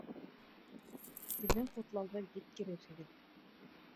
Беҙҙең ҡотлауҙы еткерерһегеҙ